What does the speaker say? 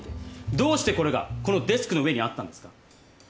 どうしてこれがこのデスクの上にあったんですか？